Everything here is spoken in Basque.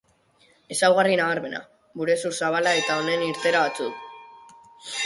Ezaugarri nabarmena: burezur zabala eta honen irteera batzuk.